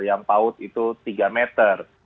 yang paut itu tiga meter